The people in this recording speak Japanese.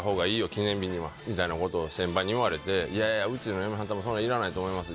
記念日にはみたいなことを先輩に言われていやいや、うちの嫁はんそんなんいらないと思います。